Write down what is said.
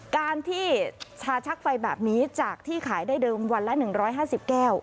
การที่ชาชักไฟแบบนี้จากที่ขายได้เดิมวันละ๑๕๐แก้ว